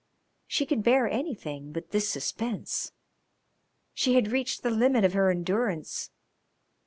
She could bear anything but this suspense. She had reached the limit of her endurance.